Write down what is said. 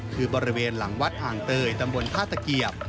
คือบริเวณหลังวัดอ่างเตยตำบลท่าตะเกียบ